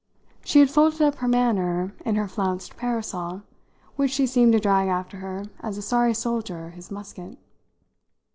She had folded up her manner in her flounced parasol, which she seemed to drag after her as a sorry soldier his musket.